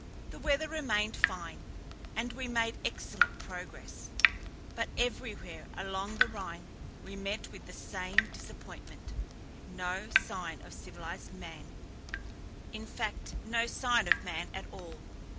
The weather remained fine, and we made excellent progress, but everywhere along the Rhine we met with the same disappointment—no sign of civilized man, in fact, no sign of man at all.